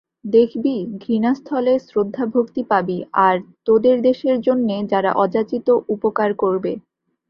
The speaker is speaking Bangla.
দেখবি, ঘৃণাস্থলে শ্রদ্ধাভক্তি পাবি, আর তোদের দেশের জন্যে তারা অযাচিত উপকার করবে।